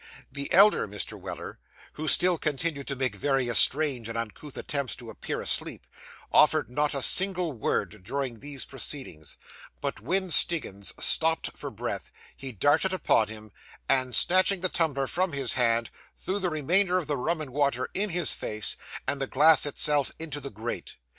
The elder Mr. Weller, who still continued to make various strange and uncouth attempts to appear asleep, offered not a single word during these proceedings; but when Stiggins stopped for breath, he darted upon him, and snatching the tumbler from his hand, threw the remainder of the rum and water in his face, and the glass itself into the grate.